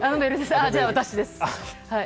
じゃあ、私です。